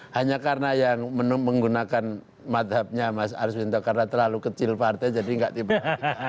hanya karena yang menggunakan madhabnya mas arswinto karena terlalu kecil partai jadi nggak tiba